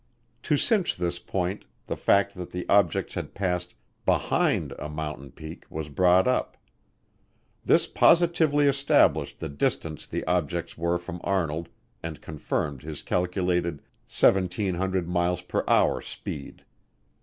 To cinch this point the fact that the objects had passed behind a mountain peak was brought up. This positively established the distance the objects were from Arnold and confirmed his calculated 1,700 miles per hour speed.